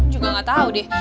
juga nggak tahu deh